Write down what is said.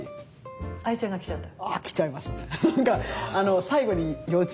ＡＩちゃんがきちゃった？